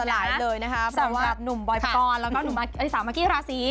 สลายเลยนะคะสำหรับหนุ่มบอยพรแล้วก็หนุ่มเอ้ยสาวมากี้ราศี